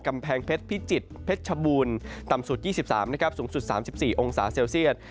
กำแพงเพชรพิจิตรเพชรชบูรณ์ต่ำสุด๒๓นะครับสูงสุด๓๔องศาเซลเซียต